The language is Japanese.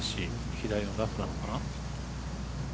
左のラフなのかな。